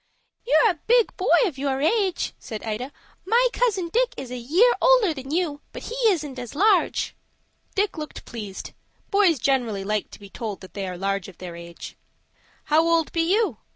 "You're a big boy of your age," said Ida. "My cousin Dick is a year older than you, but he isn't as large." Dick looked pleased. Boys generally like to be told that they are large of their age. "How old be you?"